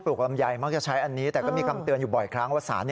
ลำไยมักจะใช้อันนี้แต่ก็มีคำเตือนอยู่บ่อยครั้งว่าสาร